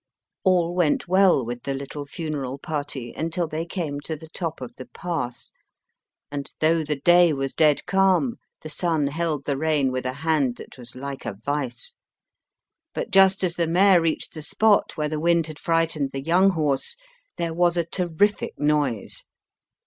All went well with the little funeral party until they came to the top of the pass, and though the day was dead calm the son held the rein with a hand that was like a vice. But just as the mare reached the spot where the wind had frightened HALL CAINE 61 the young horse, there was a terrific noise.